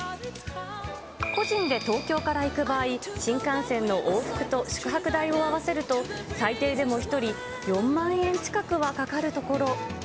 個人で東京から行く場合、新幹線の往復と宿泊代を合わせると、最低でも１人４万円近くはかかるところ。